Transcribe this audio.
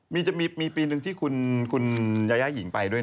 มีปีหนึ่งที่คุณยาย่าหญิงไปด้วย